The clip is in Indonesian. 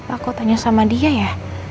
aku tanya sama dia ya